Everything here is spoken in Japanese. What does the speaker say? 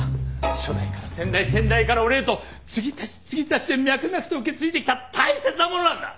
初代から先代先代から俺へとつぎ足しつぎ足しで脈々と受け継いできた大切なものなんだ！